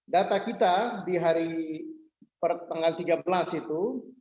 data kita di hari per tanggal tiga belas itu